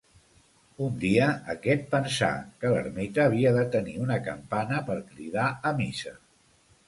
Un dia, aquest pensà que l'ermita havia de tenir una campana per cridar a missa.